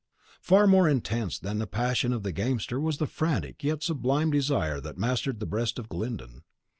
Far more intense than the passion of the gamester was the frantic yet sublime desire that mastered the breast of Glyndon.